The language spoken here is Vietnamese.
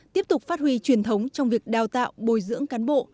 tiếp tục phát huy truyền thống trong việc đào tạo bồi dưỡng cán bộ